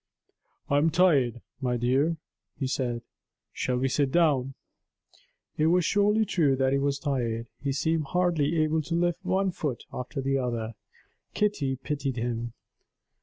"I'm tired, my dear," he said. "Shall we sit down?" It was surely true that he was tired. He seemed hardly able to lift one foot after the other; Kitty pitied him.